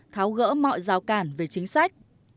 tháo gỡ mọi rào cản về chính sách